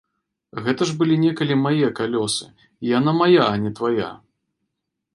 Гэта ж былі некалі мае калёсы і яна мая, а не твая!